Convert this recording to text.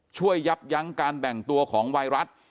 ยับยั้งการแบ่งตัวของไวรัส